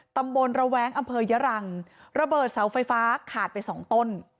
ตำบลระแว้งอำเภอยรังระเบิดเสาไฟฟ้าขาดไปสองต้น